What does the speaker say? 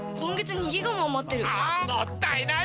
もったいない！